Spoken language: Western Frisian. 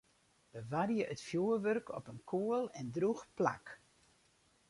Bewarje it fjoerwurk op in koel en drûch plak.